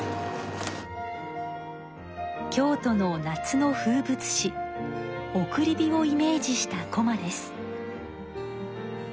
京都の夏の風物詩送り火をイメージしたこまです。